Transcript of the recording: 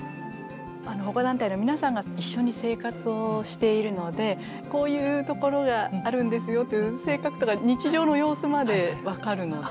あの保護団体の皆さんが一緒に生活をしているのでこういうところがあるんですよっていう性格とか日常の様子まで分かるので。